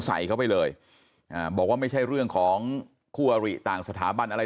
ใส่เข้าไปเลยอ่าบอกว่าไม่ใช่เรื่องของคู่อริต่างสถาบันอะไร